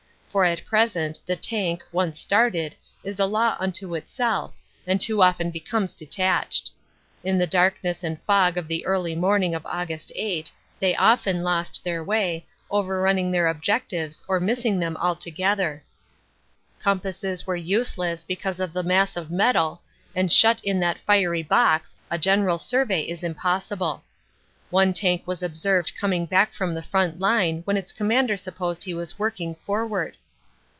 For at present the tank, once started, is a law unto itself and too often becomes de tached. In the darkness and fog of the early morning of Aug. 8 they often lost their way, overrunning their objectives or missing them altogether. Compasses were useless because of the mass of metal and shut in that fiery box a general sur vey is impossible. One tank was observed coming back from the front line when its commander supposed he was working forward.